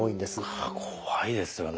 はあ怖いですよね。